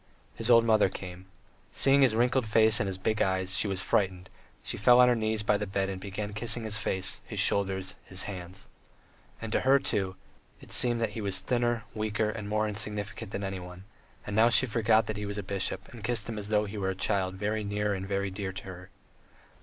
His old mother came. Seeing his wrinkled face and his big eyes, she was frightened, she fell on her knees by the bed and began kissing his face, his shoulders, his hands. And to her, too, it seemed that he was thinner, weaker, and more insignificant than anyone, and now she forgot that he was a bishop, and kissed him as though he were a child very near and very dear to her.